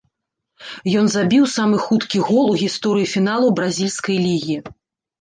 Ён забіў самы хуткі гол у гісторыі фіналаў бразільскай лігі.